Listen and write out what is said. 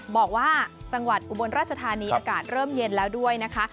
บอกว่าจังหวัดอุบลราชธานีอากาศเริ่มเย็นแล้วด้วยนะคะ